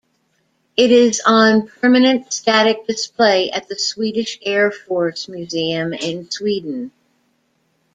It is on permanent static display at the Swedish Air Force Museum in Sweden.